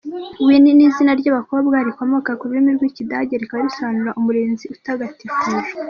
Winnie ni izina ry’abakobwa rikomoka ku rurimi rw’Ikidage rikaba risobanura “Umurinzi utagatifujwe”.